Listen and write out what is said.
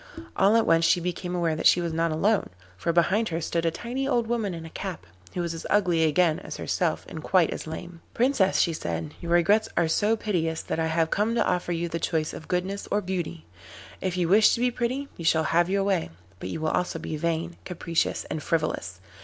All at once she became aware that she was not alone, for behind her stood a tiny old woman in a cap, who was as ugly again as herself and quite as lame. 'Princess,' she said, 'your regrets are so piteous that I have come to offer you the choice of goodness or beauty. If you wish to be pretty you shall have your way, but you will also be vain, capricious, and frivolous.